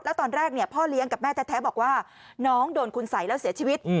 แล้วตอนแรกพ่อเลี้ยงกับแม่แท้บอกว่าน้องโดนคุณสัยแล้วเสียชีวิต